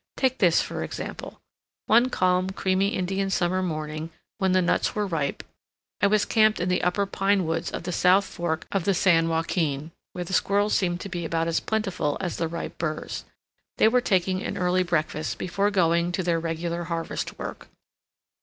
Take this for example: One calm, creamy Indian summer morning, when the nuts were ripe, I was camped in the upper pine woods of the south fork of the San Joaquin, where the squirrels seemed to be about as plentiful as the ripe burs. They were taking an early breakfast before going to their regular harvest work.